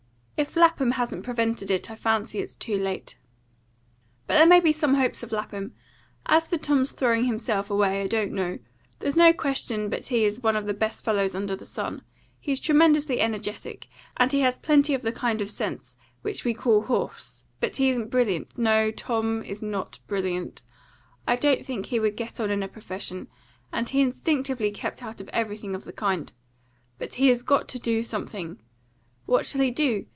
"If Lapham hasn't prevented it, I fancy it's too late. But there may be some hopes of Lapham. As for Tom's throwing himself away, I don't know. There's no question but he is one of the best fellows under the sun. He's tremendously energetic, and he has plenty of the kind of sense which we call horse; but he isn't brilliant. No, Tom is not brilliant. I don't think he would get on in a profession, and he's instinctively kept out of everything of the kind. But he has got to do something. What shall he do?